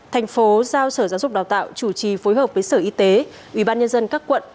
thành phố giao sở giáo dục đào tạo chủ trì phối hợp với sở y tế ubnd các quận